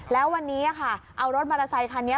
แล้ววันนี้ค่ะเอารถมอเตอร์ไซคันนี้